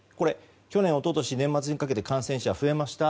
去年、一昨年年末にかけて感染者増えました。